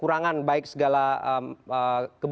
terima kasih pak